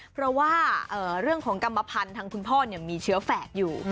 เพราะว่าเรื่องของกรรมพันธุ์ทางคุณพ่อมีเชื้อแฝดอยู่